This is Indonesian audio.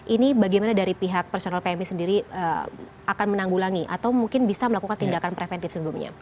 ini bagaimana dari pihak personal pmi sendiri akan menanggulangi atau mungkin bisa melakukan tindakan preventif sebelumnya